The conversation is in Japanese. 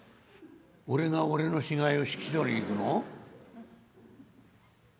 「俺が俺の死骸を引き取りに行くの？」。